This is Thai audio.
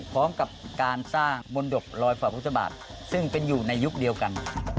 พร้อมกับการสร้างมนตบรอยฝ่าพุทธบาทซึ่งเป็นอยู่ในยุคเดียวกัน